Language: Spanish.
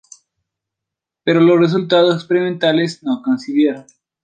Pero los resultados experimentales no coincidieron.